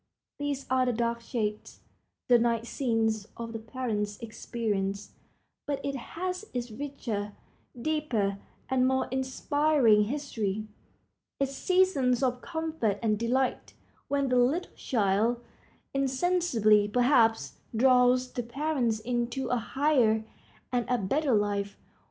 These are the dark shades, the night scenes of the parents' experience; but it has its richer, deeper, and more inspiring history, its seasons of comfort and delight, when the little child, insensibly, perhaps, draws the parents into a higher and a better life.